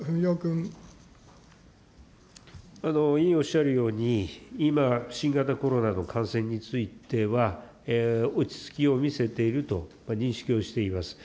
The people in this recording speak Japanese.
委員、おっしゃるように今、新型コロナの感染については、落ち着きを見せていると認識をしています。